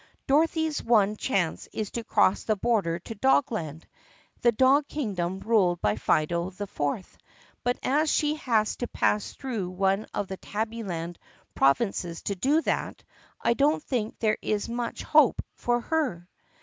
Dorothy's one chance is to cross the border to Dogland, the dog kingdom ruled by Fido IV, but as she has to pass through one of the Tabby land provinces to do that I don't think there is much hope for her."